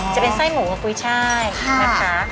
จะเป็นไส้หมูกับกุ้ยช่ายนะคะ